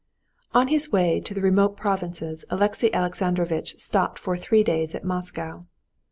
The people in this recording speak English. On his way to the remote provinces Alexey Alexandrovitch stopped for three days at Moscow.